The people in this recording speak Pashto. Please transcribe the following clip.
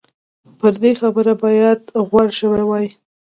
پر دې خبرې باید غور شوی وای.